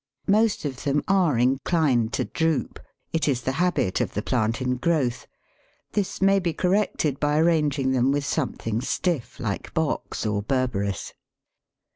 Most of them are inclined to droop; it is the habit of the plant in growth; this may be corrected by arranging them with something stiff like Box or Berberis.